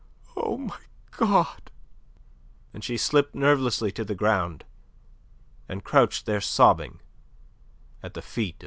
O my God!" And she slipped nervelessly to the ground, and crouched there sobbing at the feet of M.